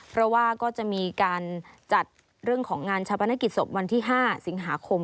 เพราะว่าก็จะมีการจัดเรื่องของงานชาปนกิจศพวันที่๕สิงหาคม